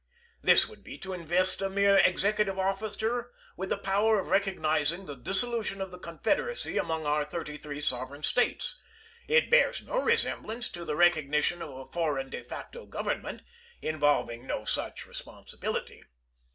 This would be to invest a mere executive officer with the power of recognizing the dissolution of the confederacy among our thirty three sovereign States. It bears no resemblance to the recognition of a foreign de facto gov ernment, involving no such responsibility.